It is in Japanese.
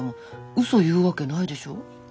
ウソ言うわけないでしょ。